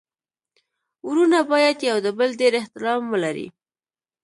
ورونه باید يو د بل ډير احترام ولري.